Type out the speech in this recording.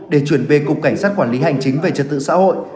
để chuyển về cục cảnh sát quản lý hành chính về trật tự xã hội